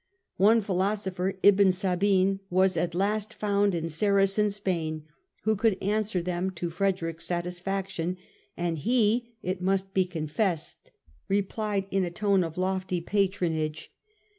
One philosopher, Ibn Sabin, was at last found in Saracen Spain who could answer them to Frederick's satisfaction, and he, it must be confessed, replied in a tone of lofty patronage.